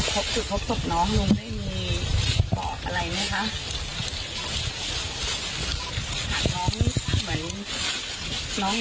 ที่ได้เจอพสมพุหน่อง